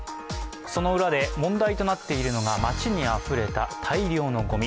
その裏で問題となっているのが街にあふれた大量のごみ。